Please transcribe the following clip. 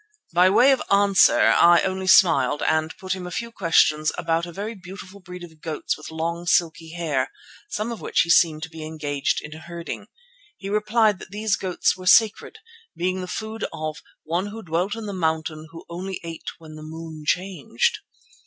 By way of answer I only smiled and put him a few questions about a very beautiful breed of goats with long silky hair, some of which he seemed to be engaged in herding. He replied that these goats were sacred, being the food of "one who dwelt in the Mountain who only ate when the moon changed."